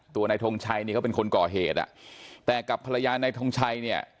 นายทงชัยนี่เขาเป็นคนก่อเหตุอ่ะแต่กับภรรยานายทงชัยเนี่ย